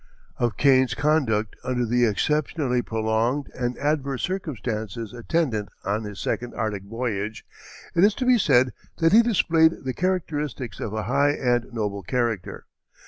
Of Kane's conduct under the exceptionally prolonged and adverse circumstances attendant on his second Arctic voyage, it is to be said that he displayed the characteristics of a high and noble character.